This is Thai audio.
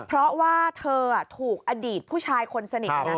เพราะว่าเธอถูกอดีตผู้ชายคนสนิท